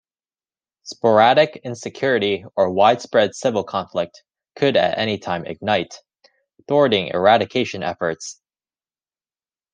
Sporadic insecurity or widespread civil conflict could at any time ignite, thwarting eradication efforts.